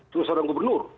terus orang gubernur